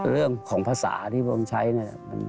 เรื่องของภาษาที่ผมใช้เนี่ย